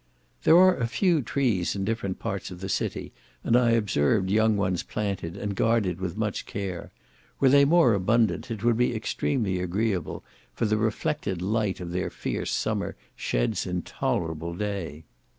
There are a few trees in different parts of the city, and I observed young ones planted, and guarded with much care; were they more abundant it would be extremely agreeable, for the reflected light of their fierce summer sheds intolerable day.